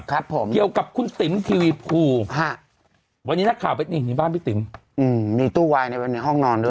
ครับผมเกี่ยวกับคุณติ๋มทีวีภูฮะวันนี้นักข่าวไปนี่มีบ้านพี่ติ๋มอืมมีตู้วายในห้องนอนด้วย